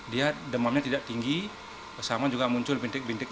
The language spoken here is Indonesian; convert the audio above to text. dia demamnya tidak tinggi sama juga muncul bintik bintik